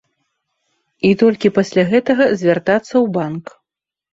І толькі пасля гэтага звяртацца ў банк.